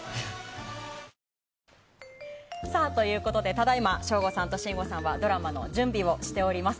ただ今、省吾さんと信五さんはドラマの準備をしております。